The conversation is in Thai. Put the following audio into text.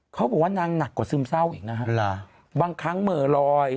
เขาบอกว่านางหนักกว่าซึมเศร้าอีกนะฮะบางครั้งเหม่อลอย